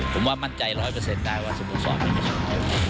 ผมว่ามั่นใจร้อยเปอร์เซ็นต์ได้ว่าสโมสรไม่มีส่วน